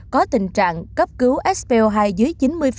có tình trạng cấp cứu sp hai dưới chín mươi